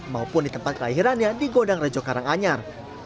maupun di tempat kelahirannya di godang rejo karanganyar